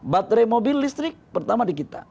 baterai mobil listrik pertama di kita